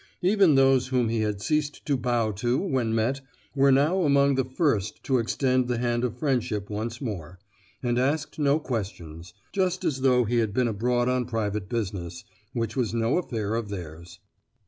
Even those whom he had ceased to bow to, when met, were now among the first to extend the hand of friendship once more, and asked no questions—just as though he had been abroad on private business, which was no affair of theirs.